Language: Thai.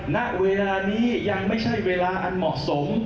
ณเวลานี้ยังไม่ใช่เวลาอันเหมาะสม